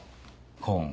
コーン。